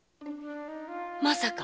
まさか？